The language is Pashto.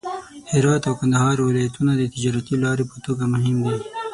هرات او کندهار ولایتونه د تجارتي لارې په توګه مهم دي.